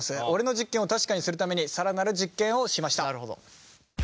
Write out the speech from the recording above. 俺の実験を確かにするために更なる実験をしました。